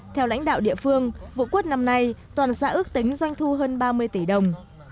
theo lãnh đạo địa phương vụ quất năm nay toàn xã ước tính doanh thu hơn ba mươi tỷ đồng